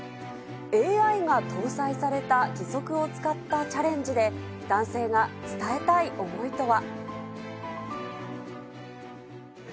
ＡＩが搭載された義足を使ったチャレンジで、男性が伝えたい思いとは。